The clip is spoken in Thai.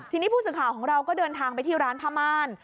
ทีนี้ผู้สื่อข่าวของเราก็เดินทางไปที่ร้านผ้าม่าน